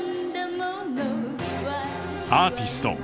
アーティスト！